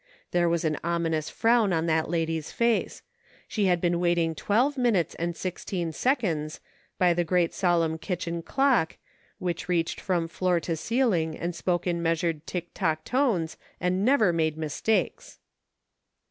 There was an ominous frown on that lady's face ; she had been waiting twelve minutes and sixteen seconds, by the great solemn kitchen clock, which reached from floor to ceiling, and spoke in measured tick tock tones, and never made mistakes.